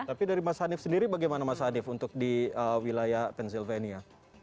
tapi dari mas hanif sendiri bagaimana mas hanif untuk di wilayah pensilvania